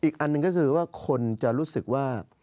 อีกอันหนึ่งก็คือว่าคนจะรู้สึกว่า